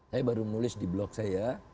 saya baru nulis di blog saya